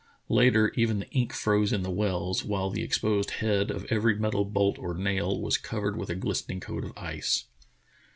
Later even the ink froze in the wells, while the exposed head of every metal bolt or nail was covered with a glistening coat of ice.